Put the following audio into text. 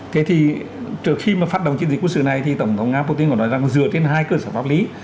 thế thì trước khi mà phát động chiến dịch quân sự này thì tổng thống nga putin có nói rằng dựa trên hai cơ sở pháp lý